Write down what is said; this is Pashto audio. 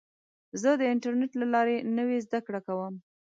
زه د انټرنیټ له لارې نوې زده کړه کوم.